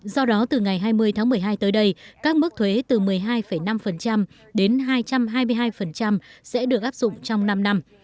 do đó từ ngày hai mươi tháng một mươi hai tới đây các mức thuế từ một mươi hai năm đến hai trăm hai mươi hai sẽ được áp dụng trong năm năm